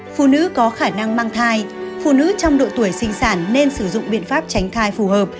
phụ nữ có khả năng mang thai phụ nữ trong độ tuổi sinh sản nên sử dụng biện pháp tránh thai phù hợp